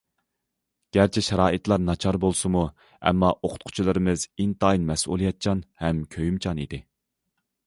گەرچە شارائىتلار ناچار بولسىمۇ، ئەمما ئوقۇتقۇچىلىرىمىز ئىنتايىن مەسئۇلىيەتچان ھەم كۆيۈمچان ئىدى.